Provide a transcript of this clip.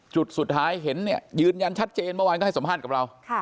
จุดสุดท้ายเห็นเนี่ยยืนยันชัดเจนเมื่อวานก็ให้สัมภาษณ์กับเรา